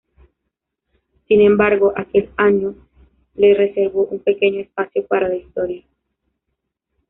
Sin embargo, aquel año le reservó un pequeño espacio para la historia.